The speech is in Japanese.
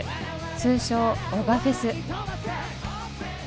通称男鹿フェス。